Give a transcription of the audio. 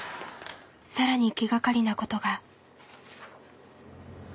更に気がかりなことが。